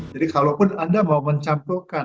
jadi kalaupun anda mau mencampurkan